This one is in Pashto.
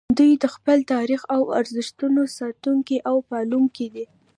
دوی د خپل تاریخ او ارزښتونو ساتونکي او پالونکي دي